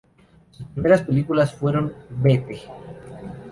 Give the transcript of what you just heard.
Sus primeras películas fueron "¡Vete!